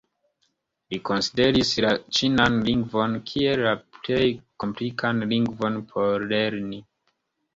Li konsideris la ĉinan lingvon kiel la plej komplikan lingvon por lerni.